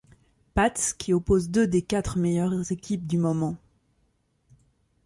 Pat's qui oppose deux des quatre meilleurs équipes du moment.